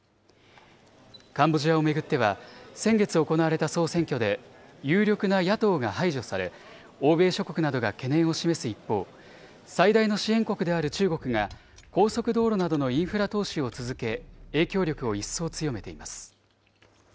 カンボジアを巡っては、先月行われた総選挙で、有力な野党が排除され、欧米諸国などが懸念を示す一方、最大の支援国である中国が、高速道路などのインフラ投資を続け、影響力を一層強めています。